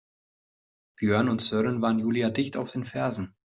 Björn und Sören waren Julia dicht auf den Fersen.